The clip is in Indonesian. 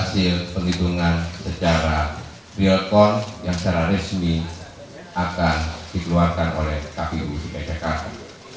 hasil penghitungan secara real call yang secara resmi akan dikeluarkan oleh pak biu di ku jakarta